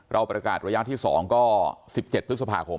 ประกาศระยะที่๒ก็๑๗พฤษภาคม